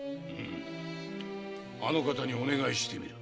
あのお方にお願いしてみる。